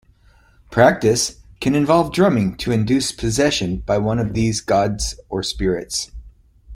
Practice can involve drumming to induce possession by one of these gods or spirits.